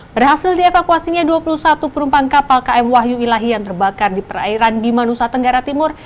berhasil dievakuasinya dua puluh satu perumpang kapal km wahyu ilahi yang terbakar di perairan di manusa tenggara timur